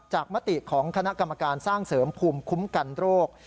มติของคณะกรรมการสร้างเสริมภูมิคุ้มกันโรค